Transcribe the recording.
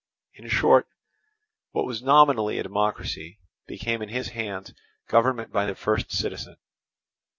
In short, what was nominally a democracy became in his hands government by the first citizen.